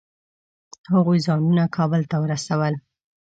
هغوی ځانونه کابل ته ورسول.